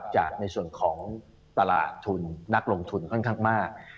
ในส่วนของตลาดทุนนักลงทุนค่อนข้างมาก